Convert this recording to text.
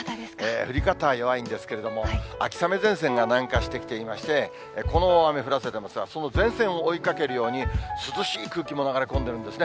降り方、弱いんですけども、秋雨前線が南下してきていまして、この雨降らせてますが、その前線を追いかけるように、涼しい空気も流れ込んでいるんですね。